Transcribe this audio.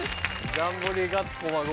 ジャンボリーガッツ駒込